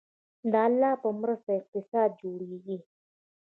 د الله په مرسته اقتصاد جوړیږي